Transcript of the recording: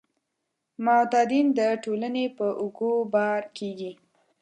معتادین د ټولنې په اوږو بار کیږي.